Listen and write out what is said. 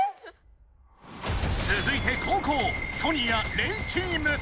つづいてこうこうソニア・レイチーム！